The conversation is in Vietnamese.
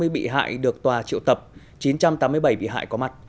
sáu sáu trăm ba mươi bị hại được tòa triệu tập chín trăm tám mươi bảy bị hại có mặt